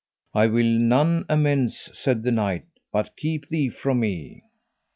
I will none amends, said the knight, but keep thee from me.